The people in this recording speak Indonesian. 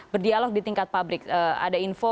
berdialog di tingkat pabrik ada info